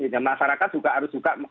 dan masyarakat juga harus juga